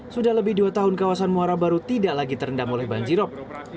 sudah lebih dua tahun kawasan muara baru tidak lagi terendam oleh banjirop